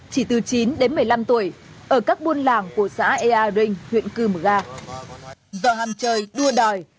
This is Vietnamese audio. chỉ từ chín đến một mươi năm tuổi